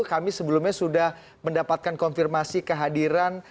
kami sebelumnya sudah mendapatkan konfirmasi kehadiran